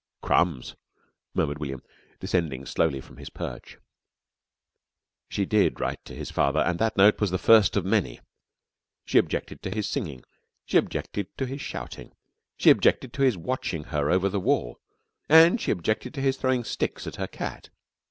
'" "Crumbs!" murmured William, descending slowly from his perch. She did write to his father, and that note was the first of many. She objected to his singing, she objected to his shouting, she objected to his watching her over the wall, and she objected to his throwing sticks at her cat.